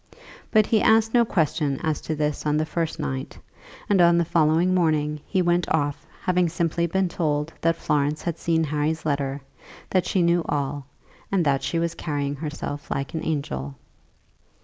But he asked no question as to this on the first night, and on the following morning he went off, having simply been told that Florence had seen Harry's letter, that she knew all, and that she was carrying herself like an angel.